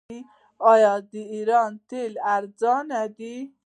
آیا د ایران تیل ارزانه دي؟